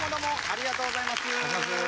ありがとうございます。